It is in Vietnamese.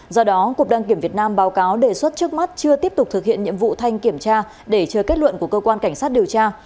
do đó cục đăng kiểm việt nam báo cáo đề xuất trước mắt chưa tiếp tục thực hiện nhiệm vụ thanh kiểm tra để chờ kết luận của cơ quan cảnh sát điều tra